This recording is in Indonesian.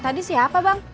tadi siapa bang